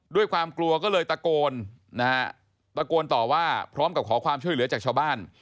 ด้วยความกลัวก็เลยตะโกนนะฮะตะโกนต่อว่าพร้อมกับขอความช่วยเหลือจากชาวบ้าน